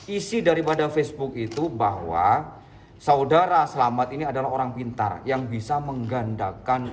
isi daripada facebook itu bahwa saudara selamat ini adalah orang pintar yang bisa menggandakan